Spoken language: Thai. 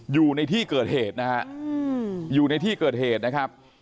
อยู่ในที่เกิดเหตุนะฮะอยู่ในที่เกิดเหตุนะครับ